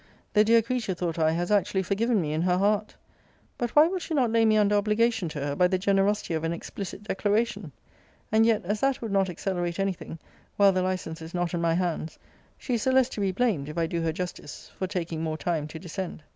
The dear creature, thought I, has actually forgiven me in her heart! But why will she not lay me under obligation to her, by the generosity of an explicit declaration? And yet, as that would not accelerate any thing, while the license is not in my hands, she is the less to be blamed (if I do her justice) for taking more time to descend.